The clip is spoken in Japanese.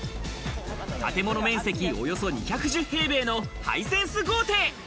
建物面積およそ２１０平米のハイセンス豪邸。